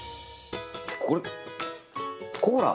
これコーラ？